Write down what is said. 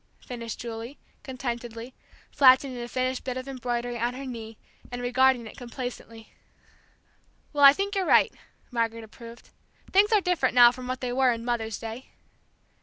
finished Julie, contentedly, flattening a finished bit of embroidery on her knee, and regarding it complacently. "Well, I think you're right," Margaret approved. "Things are different now from what they were in Mother's day."